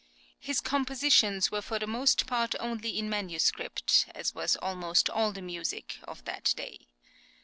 [10014] is compositions were for the most part only in manuscript, as was almost all the music of that day.